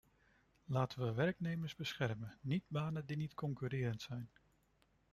Laten we werknemers beschermen, niet banen die niet concurrerend zijn.